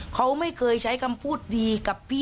เขาไม่เคยใช้คำพูดดีกับพี่